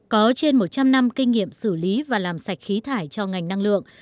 có trên một trăm linh năm kinh nghiệm xử lý và làm sạch khí thải cho ngành năng lượng